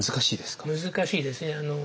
難しいですね。